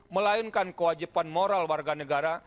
melainkan kewajiban moral warga negara